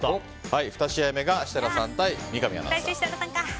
２試合目が設楽さん対三上アナウンサー。